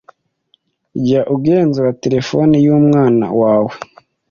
Jya ugenzura terefone y’umwana wawe.